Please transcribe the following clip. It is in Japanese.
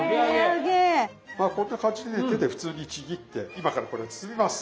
まあこんな感じでね手で普通にちぎって今からこれを包みます。